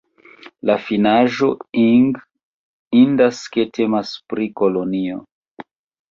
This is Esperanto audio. La finaĵo -ing indikas ke temas pri kolonio.